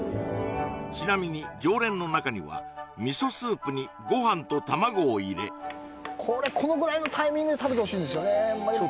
ちなみに常連の中には味噌スープにご飯と卵を入れこれこのぐらいのタイミングで食べてほしいんですよね